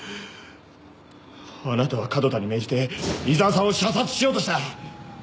あなたは門田に命じて井沢さんを射殺しようとした。